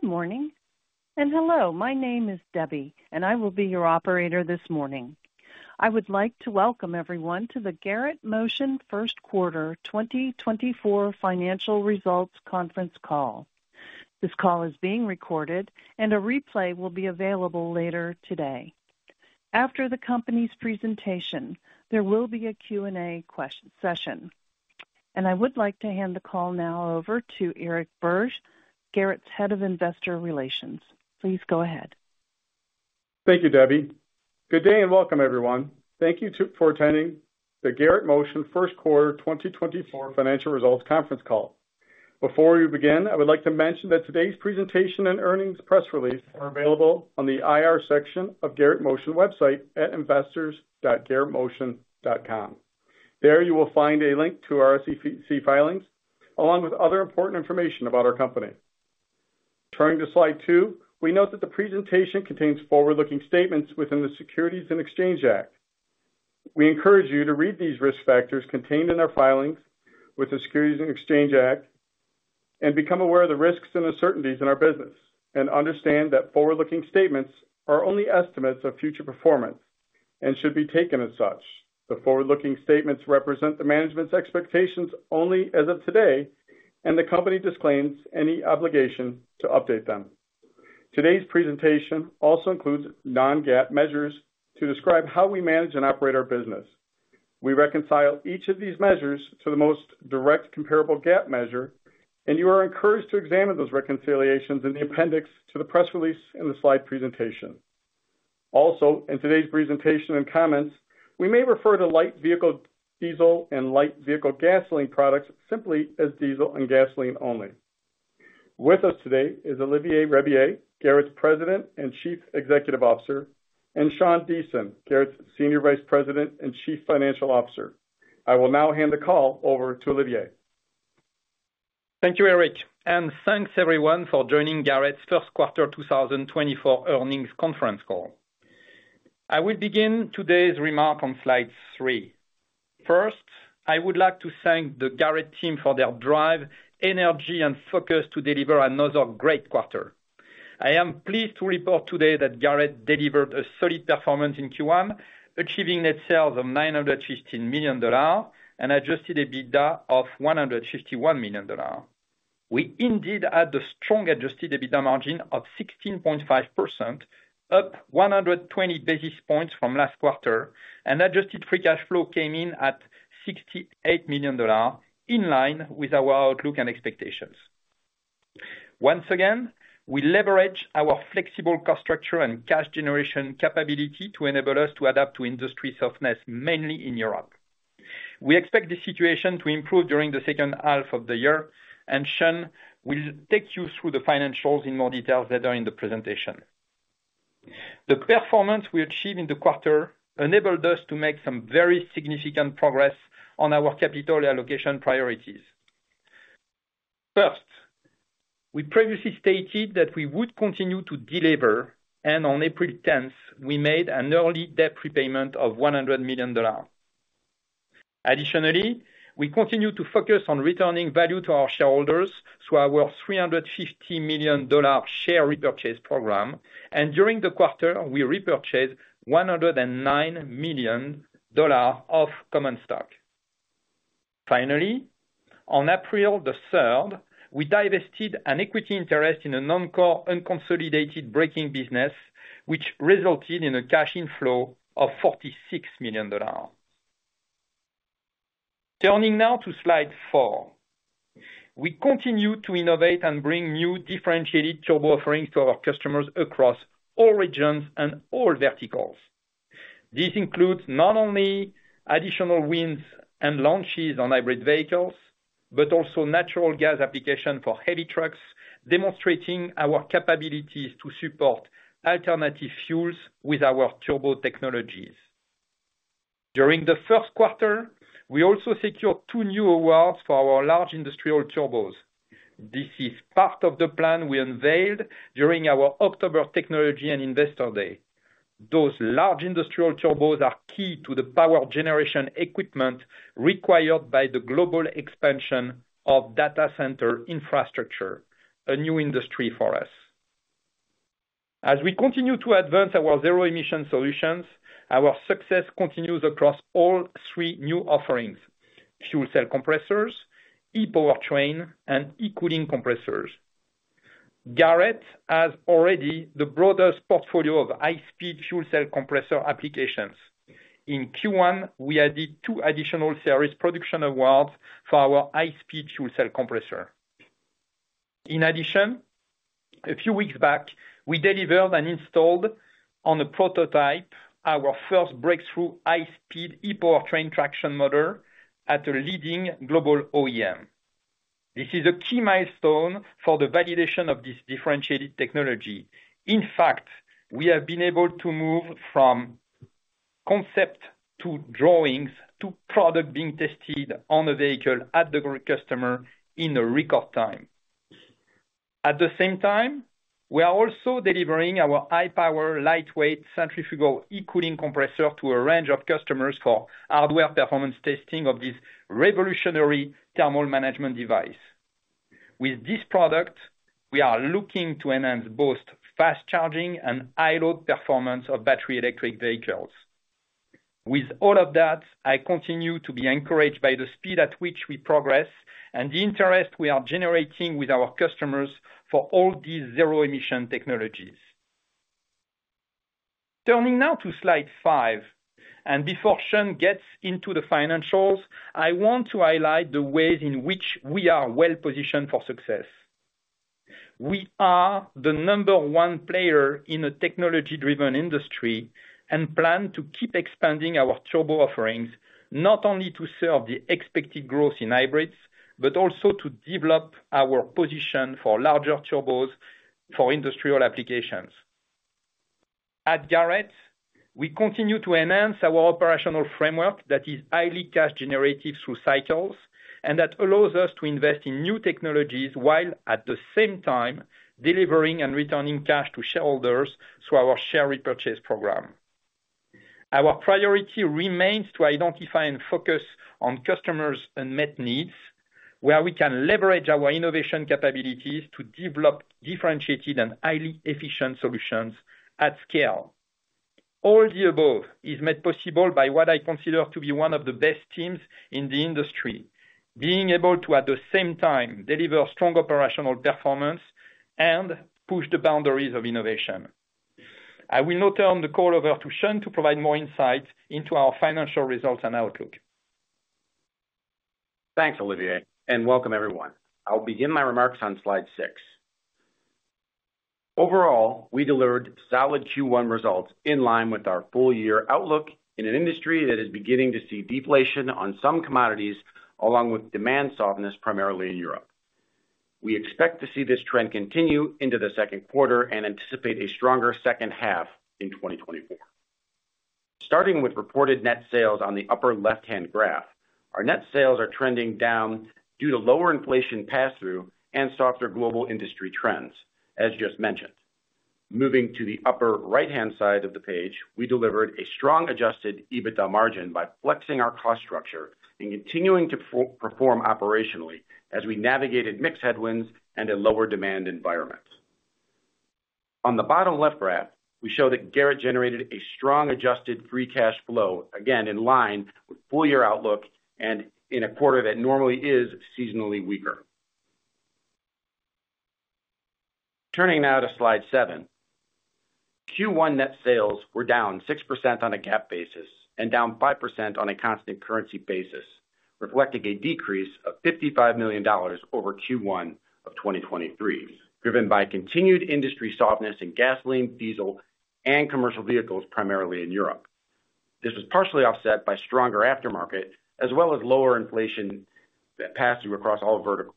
Good morning. Hello, my name is Debbie, and I will be your operator this morning. I would like to welcome everyone to the Garrett Motion first quarter 2024 financial results conference call. This call is being recorded, and a replay will be available later today. After the company's presentation, there will be a Q&A session. I would like to hand the call now over to Eric Bursch, Garrett's Head of Investor Relations. Please go ahead. Thank you, Debbie. Good day and welcome, everyone. Thank you for attending the Garrett Motion First Quarter 2024 Financial Results Conference call. Before we begin, I would like to mention that today's presentation and earnings press release are available on the IR section of Garrett Motion website at investors.garrettmotion.com. There you will find a link to our SEC filings along with other important information about our company. Turning to slide two, we note that the presentation contains forward-looking statements within the Securities Exchange Act. We encourage you to read these risk factors contained in our filings with the Securities and Exchange Commission and become aware of the risks and uncertainties in our business and understand that forward-looking statements are only estimates of future performance and should be taken as such. The forward-looking statements represent the management's expectations only as of today, and the company disclaims any obligation to update them. Today's presentation also includes non-GAAP measures to describe how we manage and operate our business. We reconcile each of these measures to the most direct comparable GAAP measure, and you are encouraged to examine those reconciliations in the appendix to the press release in the slide presentation. Also, in today's presentation and comments, we may refer to light vehicle diesel and light vehicle gasoline products simply as diesel and gasoline only. With us today is Olivier Rabiller, Garrett's President and Chief Executive Officer, and Sean Deason, Garrett's Senior Vice President and Chief Financial Officer. I will now hand the call over to Olivier. Thank you, Eric, and thanks everyone for joining Garrett's first quarter 2024 earnings conference call. I will begin today's remark on slide 3. First, I would like to thank the Garrett team for their drive, energy, and focus to deliver another great quarter. I am pleased to report today that Garrett delivered a solid performance in Q1, achieving net sales of $915 million and Adjusted EBITDA of $151 million. We indeed had the strong Adjusted EBITDA margin of 16.5%, up 120 basis points from last quarter, and Adjusted Free Cash Flow came in at $68 million, in line with our outlook and expectations. Once again, we leverage our flexible cost structure and cash generation capability to enable us to adapt to industry softness, mainly in Europe. We expect the situation to improve during the second half of the year, and Sean will take you through the financials in more detail later in the presentation. The performance we achieved in the quarter enabled us to make some very significant progress on our capital allocation priorities. First, we previously stated that we would continue to deliver, and on April 10th, we made an early debt repayment of $100 million. Additionally, we continue to focus on returning value to our shareholders through our $350 million share repurchase program, and during the quarter, we repurchased $109 million of common stock. Finally, on April 3rd, we divested an equity interest in a non-core unconsolidated braking business, which resulted in a cash inflow of $46 million. Turning now to slide four, we continue to innovate and bring new differentiated turbo offerings to our customers across all regions and all verticals. This includes not only additional wins and launches on hybrid vehicles, but also natural gas application for heavy trucks, demonstrating our capabilities to support alternative fuels with our turbo technologies. During the first quarter, we also secured two new awards for our large industrial turbos. This is part of the plan we unveiled during our October Technology and Investor Day. Those large industrial turbos are key to the power generation equipment required by the global expansion of data center infrastructure, a new industry for us. As we continue to advance our zero-emission solutions, our success continues across all three new offerings: fuel cell compressors, E-powertrain, and e-cooling compressors. Garrett has already the broadest portfolio of high-speed fuel cell compressor applications. In Q1, we added two additional series production awards for our high-speed fuel cell compressor. In addition, a few weeks back, we delivered and installed on a prototype our first breakthrough high-speed E-Powertrain Traction Motor at a leading global OEM. This is a key milestone for the validation of this differentiated technology. In fact, we have been able to move from concept to drawings to product being tested on a vehicle at the customer in a record time. At the same time, we are also delivering our high-power, lightweight, centrifugal E-Cooling Compressor to a range of customers for hardware performance testing of this revolutionary thermal management device. With this product, we are looking to enhance both fast charging and high-load performance of battery electric vehicles. With all of that, I continue to be encouraged by the speed at which we progress and the interest we are generating with our customers for all these Zero-Emission Technologies. Turning now to slide five, and before Sean gets into the financials, I want to highlight the ways in which we are well positioned for success. We are the number one player in a technology-driven industry and plan to keep expanding our turbo offerings, not only to serve the expected growth in hybrids, but also to develop our position for larger turbos for industrial applications. At Garrett, we continue to enhance our operational framework that is highly cash-generative through cycles and that allows us to invest in new technologies while, at the same time, delivering and returning cash to shareholders through our share repurchase program. Our priority remains to identify and focus on customers' unmet needs, where we can leverage our innovation capabilities to develop differentiated and highly efficient solutions at scale. All the above is made possible by what I consider to be one of the best teams in the industry, being able to, at the same time, deliver strong operational performance and push the boundaries of innovation. I will now turn the call over to Sean to provide more insight into our financial results and outlook. Thanks, Olivier, and welcome, everyone. I'll begin my remarks on slide six. Overall, we delivered solid Q1 results in line with our full-year outlook in an industry that is beginning to see deflation on some commodities, along with demand softness primarily in Europe. We expect to see this trend continue into the second quarter and anticipate a stronger second half in 2024. Starting with reported net sales on the upper left-hand graph, our net sales are trending down due to lower inflation pass-through and softer global industry trends, as just mentioned. Moving to the upper right-hand side of the page, we delivered a strong Adjusted EBITDA margin by flexing our cost structure and continuing to perform operationally as we navigated mixed headwinds and a lower demand environment. On the bottom left graph, we show that Garrett generated a strong Adjusted Free Cash Flow, again in line with full-year outlook and in a quarter that normally is seasonally weaker. Turning now to slide seven, Q1 net sales were down 6% on a GAAP basis and down 5% on a Constant Currency basis, reflecting a decrease of $55 million over Q1 of 2023, driven by continued industry softness in gasoline, diesel, and commercial vehicles primarily in Europe. This was partially offset by stronger aftermarket as well as lower inflation that passed through across all verticals.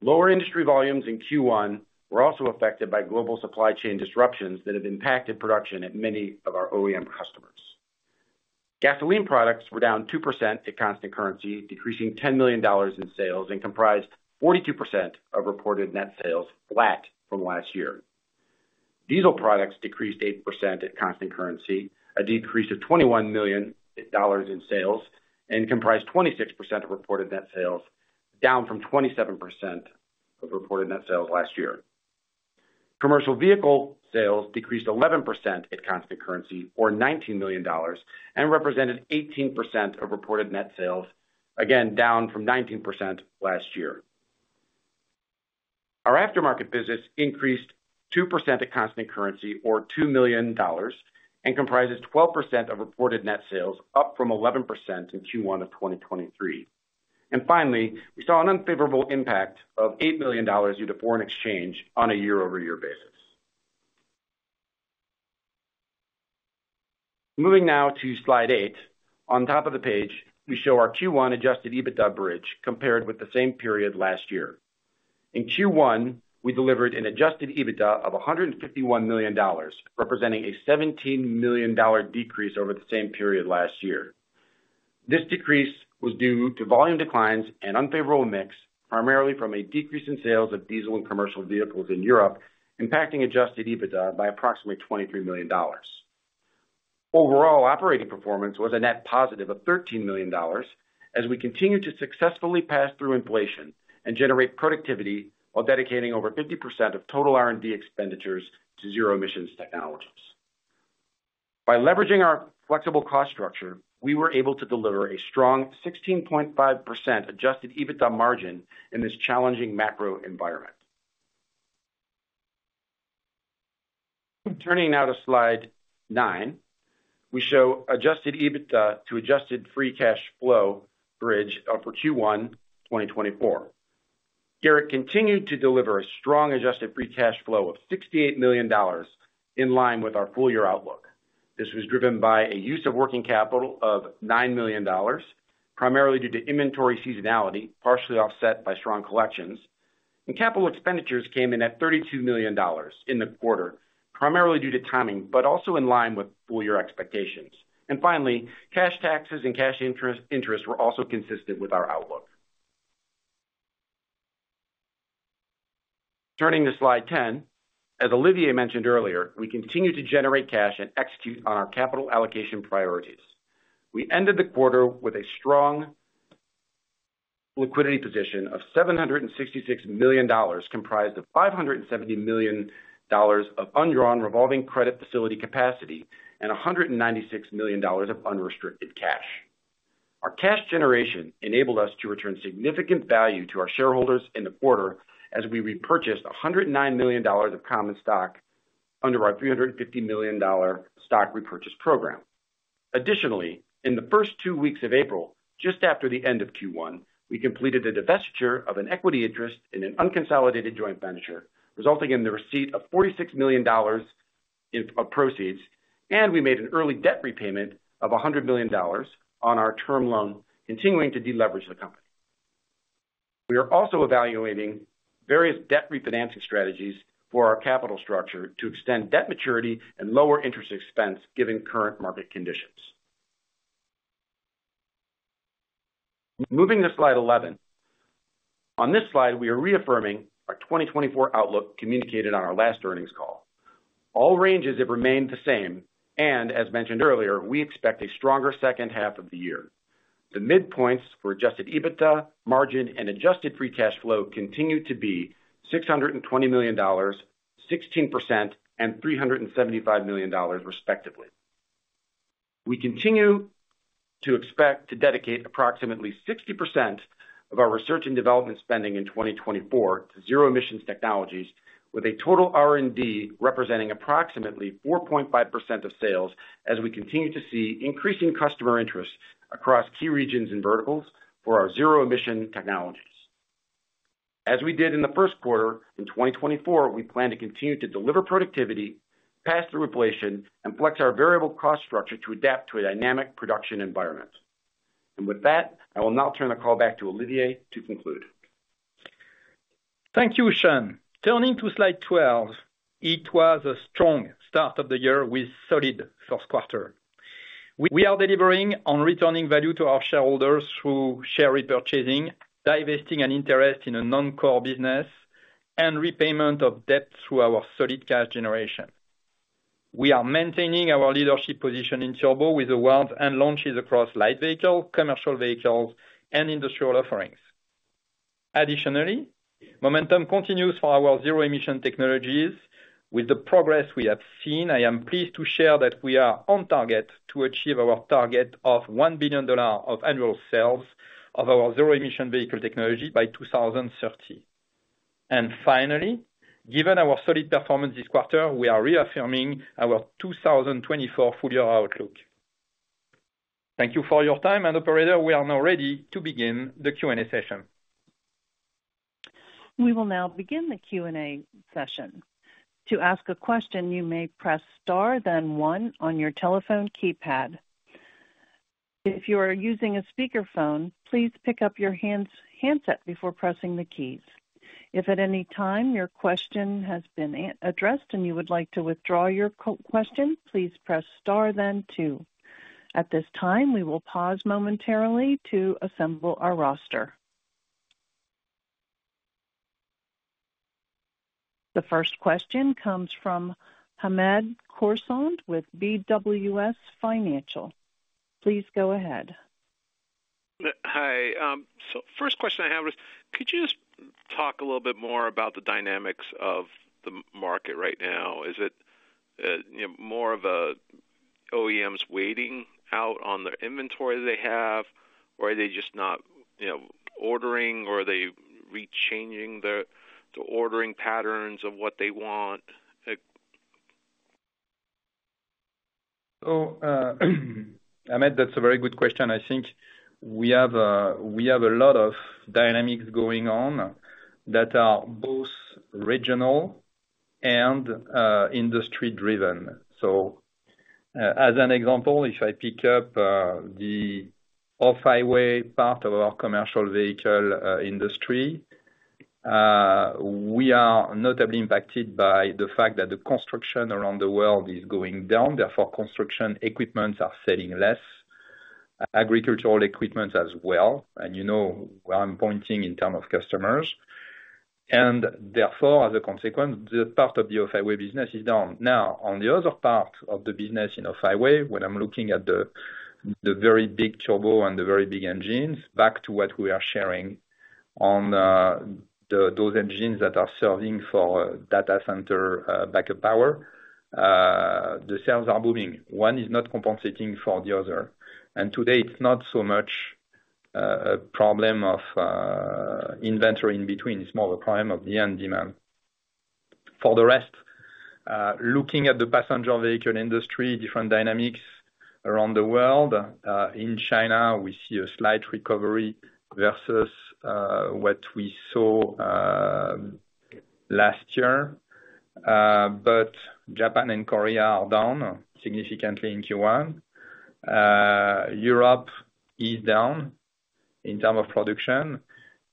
Lower industry volumes in Q1 were also affected by global supply chain disruptions that have impacted production at many of our OEM customers. Gasoline products were down 2% at Constant Currency, decreasing $10 million in sales and comprised 42% of reported net sales flat from last year. Diesel products decreased 8% at Constant Currency, a decrease of $21 million in sales, and comprised 26% of reported net sales, down from 27% of reported net sales last year. Commercial vehicle sales decreased 11% at Constant Currency, or $19 million, and represented 18% of reported net sales, again down from 19% last year. Our Aftermarket business increased 2% at Constant Currency, or $2 million, and comprises 12% of reported net sales, up from 11% in Q1 of 2023. And finally, we saw an unfavorable impact of $8 million due to foreign exchange on a year-over-year basis. Moving now to slide eight, on top of the page, we show our Q1 Adjusted EBITDA bridge compared with the same period last year. In Q1, we delivered an Adjusted EBITDA of $151 million, representing a $17 million decrease over the same period last year. This decrease was due to volume declines and unfavorable mix, primarily from a decrease in sales of diesel and commercial vehicles in Europe, impacting adjusted EBITDA by approximately $23 million. Overall, operating performance was a net positive of $13 million as we continue to successfully pass through inflation and generate productivity while dedicating over 50% of total R&D expenditures to zero-emissions technologies. By leveraging our flexible cost structure, we were able to deliver a strong 16.5% adjusted EBITDA margin in this challenging macro environment. Turning now to slide nine, we show adjusted EBITDA to adjusted free cash flow bridge for Q1 2024. Garrett continued to deliver a strong adjusted free cash flow of $68 million in line with our full-year outlook. This was driven by a use of working capital of $9 million, primarily due to inventory seasonality, partially offset by strong collections, and capital expenditures came in at $32 million in the quarter, primarily due to timing, but also in line with full-year expectations. Finally, cash taxes and cash interest were also consistent with our outlook. Turning to slide 10, as Olivier mentioned earlier, we continue to generate cash and execute on our capital allocation priorities. We ended the quarter with a strong liquidity position of $766 million, comprised of $570 million of undrawn revolving credit facility capacity and $196 million of unrestricted cash. Our cash generation enabled us to return significant value to our shareholders in the quarter as we repurchased $109 million of common stock under our $350 million stock repurchase program. Additionally, in the first two weeks of April, just after the end of Q1, we completed a divestiture of an equity interest in an unconsolidated joint venture, resulting in the receipt of $46 million of proceeds, and we made an early debt repayment of $100 million on our term loan, continuing to deleverage the company. We are also evaluating various debt refinancing strategies for our capital structure to extend debt maturity and lower interest expense given current market conditions. Moving to slide 11, on this slide, we are reaffirming our 2024 outlook communicated on our last earnings call. All ranges have remained the same, and as mentioned earlier, we expect a stronger second half of the year. The midpoints for Adjusted EBITDA, margin, and Adjusted Free Cash Flow continue to be $620 million, 16%, and $375 million, respectively. We continue to expect to dedicate approximately 60% of our research and development spending in 2024 to zero-emissions technologies, with a total R&D representing approximately 4.5% of sales, as we continue to see increasing customer interest across key regions and verticals for our zero-emission technologies. As we did in the first quarter in 2024, we plan to continue to deliver productivity, pass through inflation, and flex our variable cost structure to adapt to a dynamic production environment. With that, I will now turn the call back to Olivier to conclude. Thank you, Sean. Turning to slide 12, it was a strong start of the year with solid first quarter. We are delivering on returning value to our shareholders through share repurchasing, divesting an interest in a non-core business, and repayment of debt through our solid cash generation. We are maintaining our leadership position in turbo with awards and launches across light vehicle, commercial vehicles, and industrial offerings. Additionally, momentum continues for our zero-emission technologies. With the progress we have seen, I am pleased to share that we are on target to achieve our target of $1 billion of annual sales of our zero-emission vehicle technology by 2030. And finally, given our solid performance this quarter, we are reaffirming our 2024 full-year outlook. Thank you for your time, and operator, we are now ready to begin the Q&A session. We will now begin the Q&A session. To ask a question, you may press star then one on your telephone keypad. If you are using a speakerphone, please pick up your handset before pressing the keys. If at any time your question has been addressed and you would like to withdraw your question, please press star then two. At this time, we will pause momentarily to assemble our roster. The first question comes from Hamed Khorsand with BWS Financial. Please go ahead. Hi. So first question I have is, could you just talk a little bit more about the dynamics of the market right now? Is it more of OEMs waiting out on the inventory they have, or are they just not ordering, or are they rechanging the ordering patterns of what they want? So Hamed, that's a very good question. I think we have a lot of dynamics going on that are both regional and industry-driven. So as an example, if I pick up the off-highway part of our commercial vehicle industry, we are notably impacted by the fact that the construction around the world is going down. Therefore, construction equipments are selling less, agricultural equipment as well, and you know where I'm pointing in terms of customers. And therefore, as a consequence, that part of the off-highway business is down. Now, on the other part of the business in off-highway, when I'm looking at the very big turbo and the very big engines, back to what we are sharing on those engines that are serving for data center backup power, the sales are booming. One is not compensating for the other. Today, it's not so much a problem of inventory in between. It's more of a problem of the end demand. For the rest, looking at the passenger vehicle industry, different dynamics around the world, in China, we see a slight recovery versus what we saw last year. But Japan and Korea are down significantly in Q1. Europe is down in terms of production,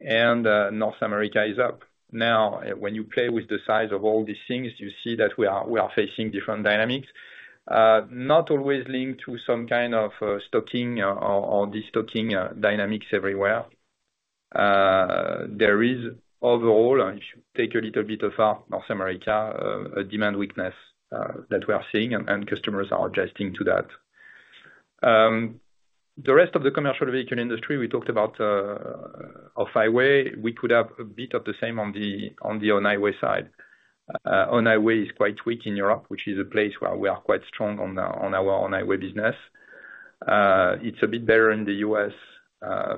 and North America is up. Now, when you play with the size of all these things, you see that we are facing different dynamics, not always linked to some kind of stocking or destocking dynamics everywhere. There is, overall, if you take a little bit of our North America, a demand weakness that we are seeing, and customers are adjusting to that. The rest of the commercial vehicle industry, we talked about off-highway, we could have a bit of the same on the on-highway side. On-Highway is quite weak in Europe, which is a place where we are quite strong on our On-Highway business. It's a bit better in the U.S.,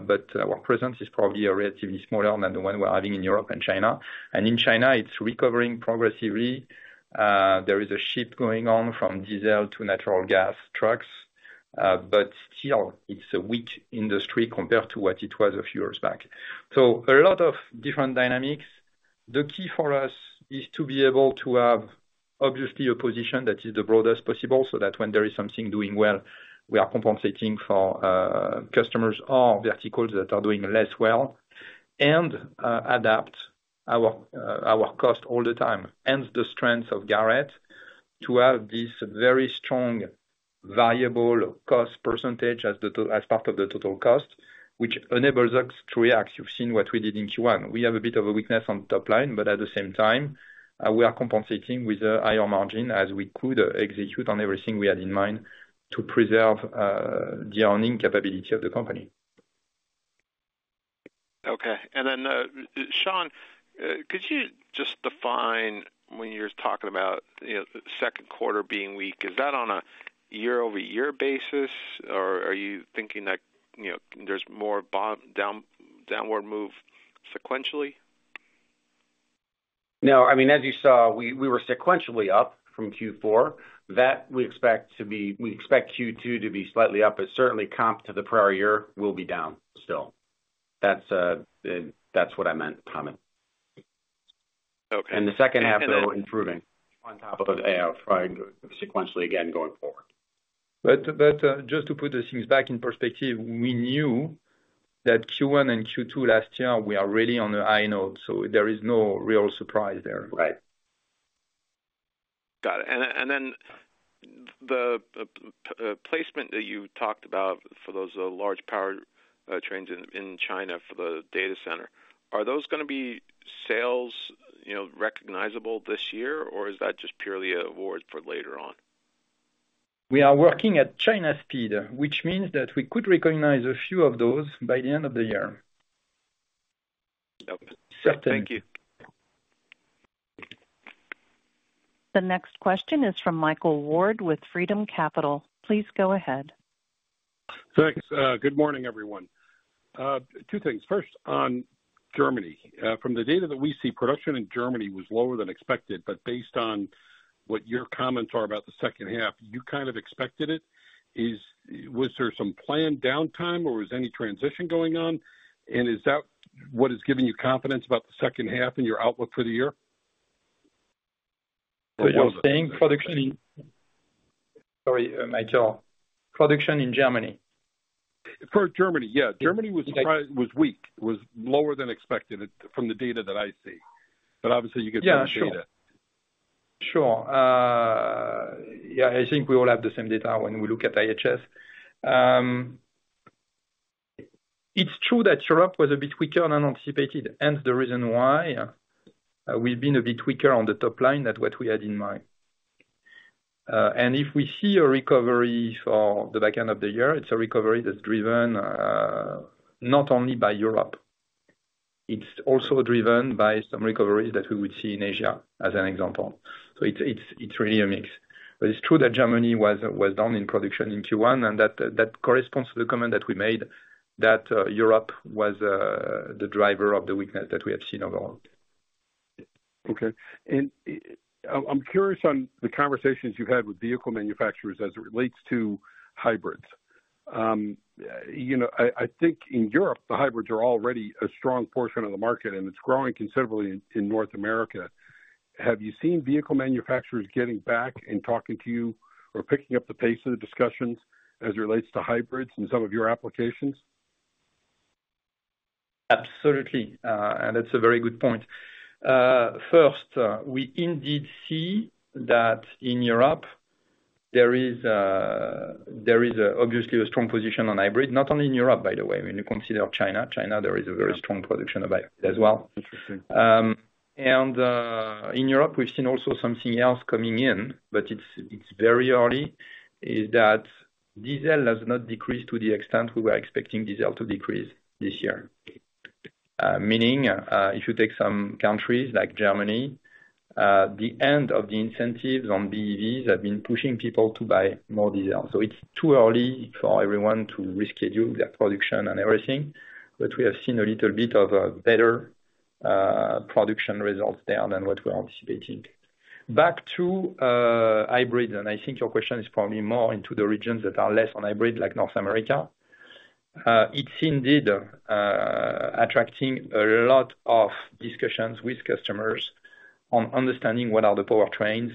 but our presence is probably relatively smaller than the one we're having in Europe and China. And in China, it's recovering progressively. There is a shift going on from diesel to natural gas trucks, but still, it's a weak industry compared to what it was a few years back. So a lot of different dynamics. The key for us is to be able to have, obviously, a position that is the broadest possible so that when there is something doing well, we are compensating for customers or verticals that are doing less well and adapt our cost all the time. And the strength of Garrett to have this very strong variable cost percentage as part of the total cost, which enables us to react. You've seen what we did in Q1. We have a bit of a weakness on the top line, but at the same time, we are compensating with a higher margin as we could execute on everything we had in mind to preserve the earnings capability of the company. Okay. And then, Sean, could you just define when you're talking about second quarter being weak, is that on a year-over-year basis, or are you thinking that there's more downward move sequentially? No, I mean, as you saw, we were sequentially up from Q4. That we expect to be we expect Q2 to be slightly up, but certainly, comp to the prior year, we'll be down still. That's what I meant, Hamed. And the second half, though, improving on top of sequentially again going forward. Just to put the things back in perspective, we knew that Q1 and Q2 last year, we are really on the high note, so there is no real surprise there. Right. Got it. And then the placement that you talked about for those large power trains in China for the data center, are those going to be sales recognizable this year, or is that just purely an order for later on? We are working at China speed, which means that we could recognize a few of those by the end of the year. Yep. Thank you. The next question is from Michael Ward with Freedom Capital Markets. Please go ahead. Thanks. Good morning, everyone. Two things. First, on Germany. From the data that we see, production in Germany was lower than expected, but based on what your comments are about the second half, you kind of expected it. Was there some planned downtime, or was any transition going on? And is that what has given you confidence about the second half and your outlook for the year? What was that? Sorry, Michael. Production in Germany. For Germany, yeah. Germany was weak. It was lower than expected from the data that I see. But obviously, you get some data. Yeah, sure. Sure. Yeah, I think we all have the same data when we look at IHS. It's true that Europe was a bit weaker than anticipated, and the reason why we've been a bit weaker on the top line than what we had in mind. If we see a recovery for the back end of the year, it's a recovery that's driven not only by Europe. It's also driven by some recoveries that we would see in Asia, as an example. So it's really a mix. But it's true that Germany was down in production in Q1, and that corresponds to the comment that we made that Europe was the driver of the weakness that we have seen overall. Okay. I'm curious on the conversations you've had with vehicle manufacturers as it relates to hybrids. I think in Europe, the hybrids are already a strong portion of the market, and it's growing considerably in North America. Have you seen vehicle manufacturers getting back and talking to you or picking up the pace of the discussions as it relates to hybrids and some of your applications? Absolutely. And that's a very good point. First, we indeed see that in Europe, there is obviously a strong position on hybrid. Not only in Europe, by the way. When you consider China, China, there is a very strong production of hybrid as well. And in Europe, we've seen also something else coming in, but it's very early, is that diesel has not decreased to the extent we were expecting diesel to decrease this year. Meaning, if you take some countries like Germany, the end of the incentives on BEVs have been pushing people to buy more diesel. So it's too early for everyone to reschedule their production and everything. But we have seen a little bit of better production results there than what we're anticipating. Back to hybrids, and I think your question is probably more into the regions that are less on hybrid, like North America. It's indeed attracting a lot of discussions with customers on understanding what are the power trains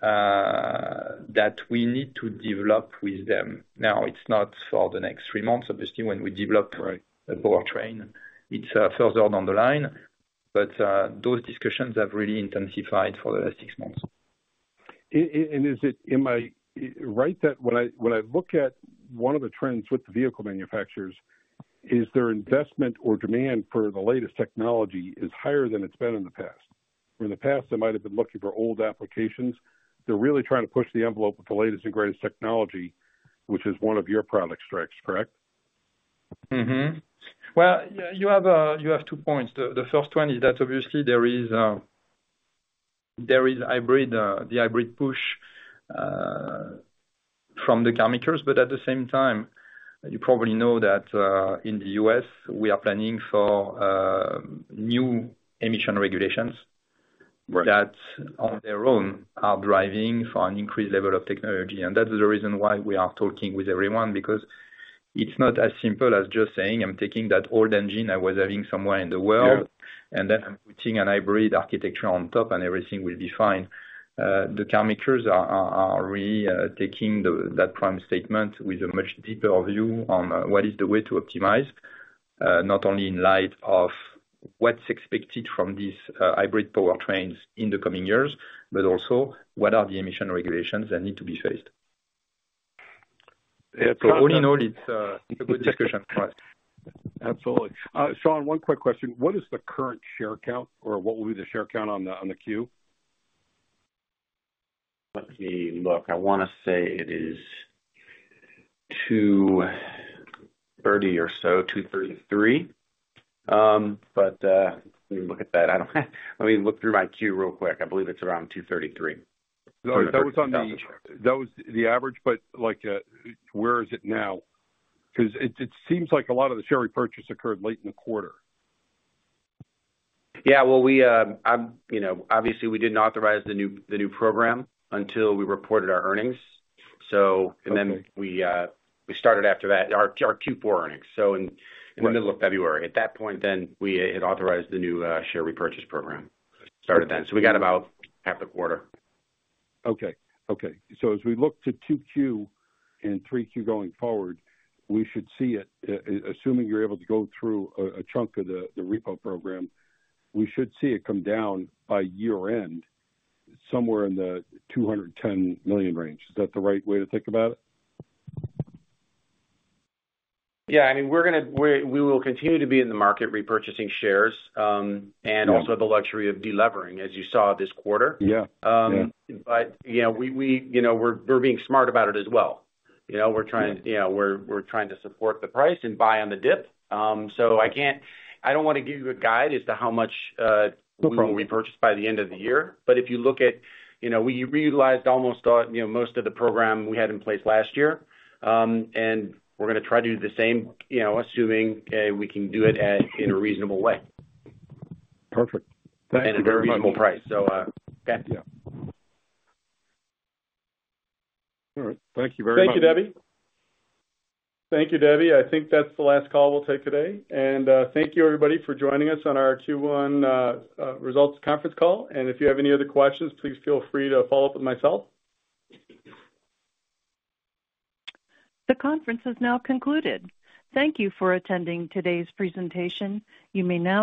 that we need to develop with them. Now, it's not for the next three months, obviously, when we develop a power train. It's further down the line. But those discussions have really intensified for the last six months. Am I right that when I look at one of the trends with the vehicle manufacturers, is their investment or demand for the latest technology higher than it's been in the past? Where in the past, they might have been looking for old applications, they're really trying to push the envelope with the latest and greatest technology, which is one of your product strengths, correct? Well, you have two points. The first one is that obviously, there is the hybrid push from the car makers, but at the same time, you probably know that in the U.S., we are planning for new emission regulations that on their own are driving for an increased level of technology. That's the reason why we are talking with everyone, because it's not as simple as just saying, "I'm taking that old engine I was having somewhere in the world, and then I'm putting a hybrid architecture on top, and everything will be fine." The car makers are really taking that prime statement with a much deeper view on what is the way to optimize, not only in light of what's expected from these hybrid power trains in the coming years, but also what are the emission regulations that need to be faced. All in all, it's a good discussion for us. Absolutely. Sean, one quick question. What is the current share count, or what will be the share count on the Q? Let me look. I want to say it is 230 or so, 233. But let me look at that. Let me look through my queue real quick. I believe it's around 233. Sorry. That was the average, but where is it now? Because it seems like a lot of the share repurchase occurred late in the quarter. Yeah, well, obviously, we didn't authorize the new program until we reported our earnings. And then we started after that, our Q4 earnings, so in the middle of February. At that point then, we had authorized the new share repurchase program, started then. So we got about half the quarter. Okay. Okay. As we look to 2Q and 3Q going forward, we should see it, assuming you're able to go through a chunk of the repo program, we should see it come down by year-end somewhere in the $210 million range. Is that the right way to think about it? Yeah. I mean, we will continue to be in the market repurchasing shares and also have the luxury of delevering, as you saw this quarter. But we're being smart about it as well. We're trying to support the price and buy on the dip. So I don't want to give you a guide as to how much we'll repurchase by the end of the year. But if you look at we reutilized almost most of the program we had in place last year. And we're going to try to do the same, assuming we can do it in a reasonable way. Perfect. Thank you. A very reasonable price, so. Okay. Yeah. All right. Thank you very much. Thank you, Debbie. Thank you, Debbie. I think that's the last call we'll take today. Thank you, everybody, for joining us on our Q1 results conference call. If you have any other questions, please feel free to follow up with myself. The conference is now concluded. Thank you for attending today's presentation. You may now.